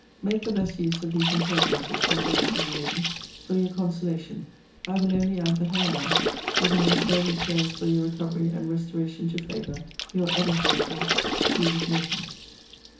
Make the best use of these intelligences, my dearest young lady, for your consolation. I will only add, that I am, with the most fervent prayers for your recovery and restoration to favour, Your ever faithful JUDITH NORTON.